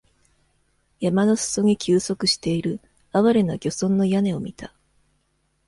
山の裾に休息している、憐れな漁村の屋根を見た。